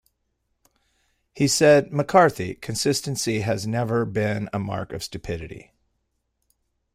He said, 'McCarthy, consistency has never been a mark of stupidity.